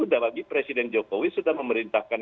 sudah bagi presiden jokowi sudah memerintahkan